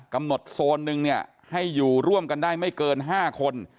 กำหนดโซนนึงให้อยู่ร่วมกันได้ไม่เกิน๕คน